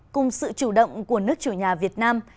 cùng sự chủ động của nước chủ nhà việt nam